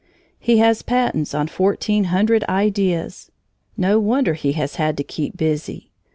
He has patents on fourteen hundred ideas. No wonder he has had to keep busy!